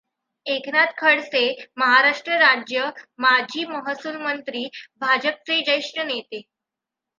एकनाथ खडसे महाराष्ट्र राज्य माजी महसूलमंत्री, भाजपचे ज्येष्ठ नेते.